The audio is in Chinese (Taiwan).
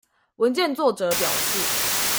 文件作者表示